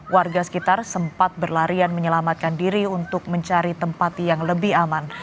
warga sekitar sempat berlarian menyelamatkan diri untuk mencari tempat yang lebih aman